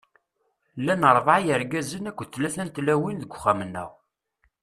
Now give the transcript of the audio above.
Llan ṛebɛa n yirgazen akked tlata n tlawin deg uxxam-nneɣ.